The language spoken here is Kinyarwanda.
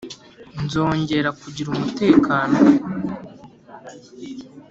nzongera kugira umutekano